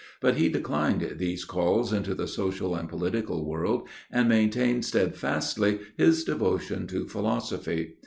But he declined these calls into the social and political world, and maintained steadfastly his devotion to philosophy.